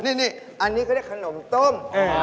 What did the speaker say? นี่อันนี้ก็ได้ขนมต้ม